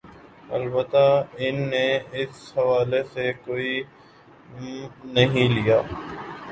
البتہ ان نے اس حوالہ سے کوئی م نہیں لیا